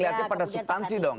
tidak lihatnya pada stansi dong